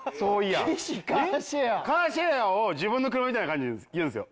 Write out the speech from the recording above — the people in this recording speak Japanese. カーシェアを自分の車みたいな感じで言うんすよ。